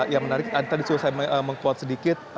yang menarik tadi sudah saya menguat sedikit